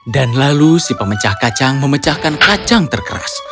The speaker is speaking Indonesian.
dan lalu si pemecah kacang memecahkan kacang terkeras